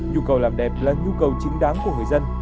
nhu cầu làm đẹp là nhu cầu chính đáng của người dân